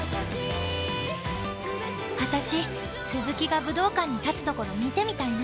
私すずきが武道館に立つところ見てみたいな。